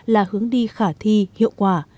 là hướng đi khả thi hiệu quả